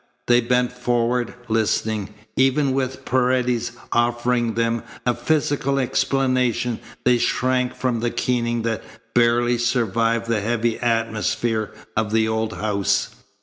They bent forward, listening. Even with Paredes offering them a physical explanation they shrank from the keening that barely survived the heavy atmosphere of the old house.